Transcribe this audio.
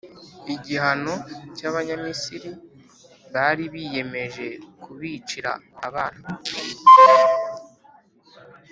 Igihano cy’Abanyamisiri bari biyemeje kubicira abana,